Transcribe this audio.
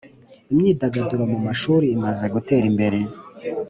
imyidagaduro mu mashuri imaze gutera imbere